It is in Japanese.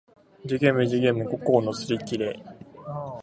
寿限無寿限無五劫のすりきれ